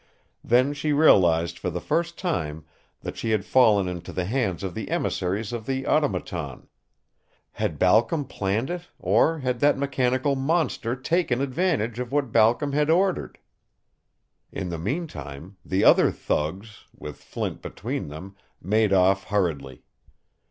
Then she realized for the first time that she had fallen into the hands of the emissaries of the Automaton. Had Balcom planned it, or had that mechanical monster taken advantage of what Balcom had ordered? In the mean time, the other thugs, with Flint between them, made off hurriedly.